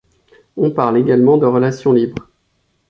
On parle également de relation libre.